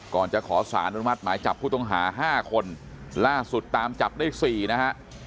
ก่อนจะขอสารอนุมัติหมายจับผู้ต้องหา๕คนล่าสุดตามจับได้๔นะฮะ